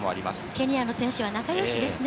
ケニアの選手は仲よしですね。